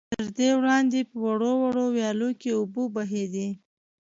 تر دې وړاندې په وړو وړو ويالو کې اوبه بهېدې.